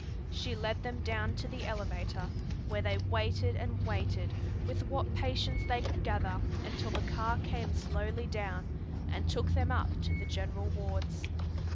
She led them down to the elevator, where they waited and waited with what patience they could gather until the car came slowly down and took them up to the general wards.